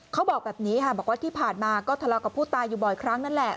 เขาบอกแบบนี้ค่ะบอกว่าที่ผ่านมาก็ทะเลาะกับผู้ตายอยู่บ่อยครั้งนั่นแหละ